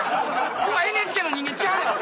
今ＮＨＫの人間ちゃうねん！